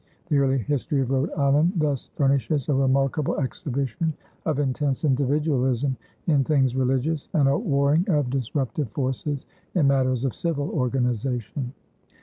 The early history of Rhode Island thus furnishes a remarkable exhibition of intense individualism in things religious and a warring of disruptive forces in matters of civil organization.